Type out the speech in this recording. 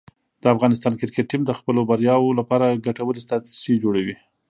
د افغانستان کرکټ ټیم د خپلو بریاوو لپاره ګټورې ستراتیژۍ جوړوي.